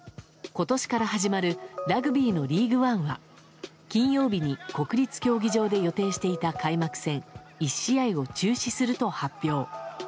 今年から始まるラグビーのリーグワンは金曜日に国立競技場で予定していた開幕戦１試合を中止すると発表。